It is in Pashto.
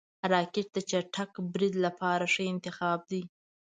راکټ د چټک برید لپاره ښه انتخاب دی